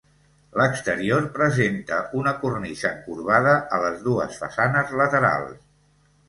L'exterior presenta una cornisa encorbada a les dues façanes laterals.